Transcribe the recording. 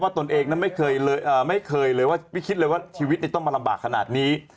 เพราะว่าตนเองไม่เคยเลยว่าไม่คิดเลยว่าชีวิตนี่ต้องมาลำบากขนาดนี้